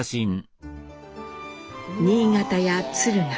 新潟や敦賀